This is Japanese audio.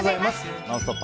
「ノンストップ！」